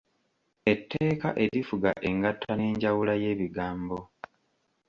Etteeka erifuga engatta n’enjawula y’ebigambo.